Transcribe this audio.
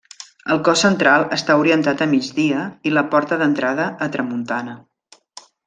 El cos central està orientat a migdia i la porta d'entrada a tramuntana.